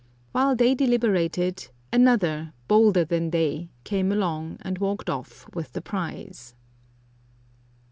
While they deliberated, another bolder than they came along and walked off with the prize.